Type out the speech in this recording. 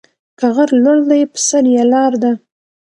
که غر لوړ دى، په سر يې لار ده.